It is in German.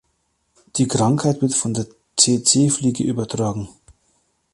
Die Krankheit wird von der Tse-Tse-Fliege übertragen.